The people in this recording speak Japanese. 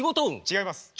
違います。